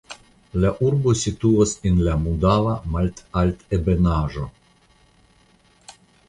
La urbo situas en la Mudava malaltebenaĵo.